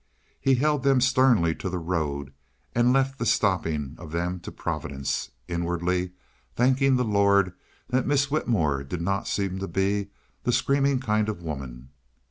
He held them sternly to the road and left the stopping of them to Providence, inwardly thanking the Lord that Miss Whitmore did not seem to be the screaming kind of woman.